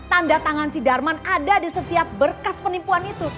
tanda tangan si darman ada di setiap berkas penipuan itu